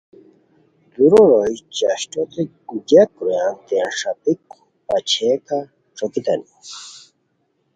دُورو روئے چاشٹوت گیاک رویان تین ݰاپیک پاچئیکہ ݯوکیتانی